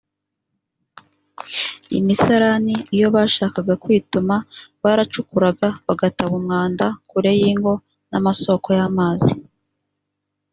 imisarani iyo bashakaga kwituma baracukuraga bagataba umwanda kure y ingo n amasoko y amazi